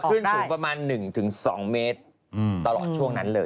ขึ้นสูงประมาณ๑๒เมตรตลอดช่วงนั้นเลย